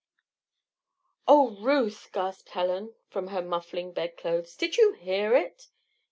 "Oh, Ruth!" gasped Helen, from her muffling bed clothes. "Did you hear it?"